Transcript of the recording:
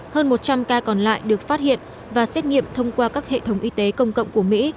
hơn một trăm linh ca còn lại được phát hiện và xét nghiệm thông qua các hệ thống y tế công cộng của mỹ